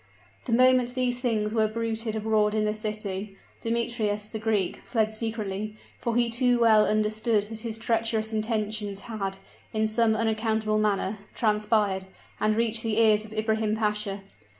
The moment these things were bruited abroad in the city, Demetrius, the Greek, fled secretly; for he too well understood that his treacherous intentions had, in some unaccountable manner, transpired, and reached the ears of Ibrahim Pasha.